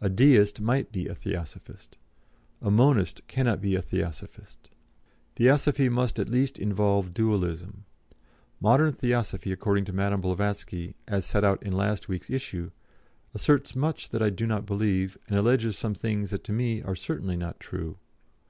A Deist might be a Theosophist. A Monist cannot be a Theosophist. Theosophy must at least involve Dualism. Modern Theosophy, according to Madame Blavatsky, as set out in last week's issue, asserts much that I do not believe, and alleges some things that, to me, are certainly not true.